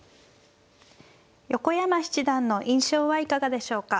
横山七段の印象はいかがでしょうか。